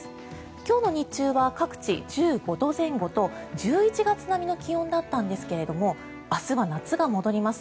今日の日中は各地１５度前後と１１月並みの気温だったんですが明日は夏が戻ります。